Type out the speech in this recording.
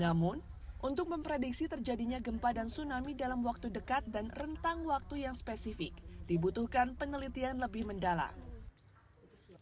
namun untuk memprediksi terjadinya gempa dan tsunami dalam waktu dekat dan rentang waktu yang spesifik dibutuhkan penelitian lebih mendalam